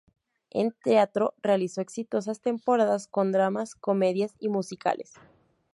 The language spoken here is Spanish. En teatro, realizó exitosas temporadas con dramas, comedias y musicales.